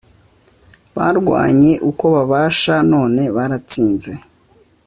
Barwanye uko babasha, none baratsinze,